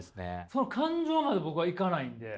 その感情まで僕はいかないんで。